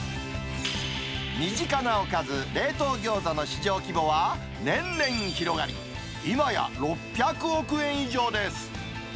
身近なおかず、冷凍ギョーザの市場規模は、年々広がり、いまや６００億円以上です。